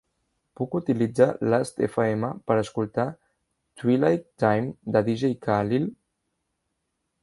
Puc utilitzar Lastfm per escoltar "Twilight Time" de Dj Khalil?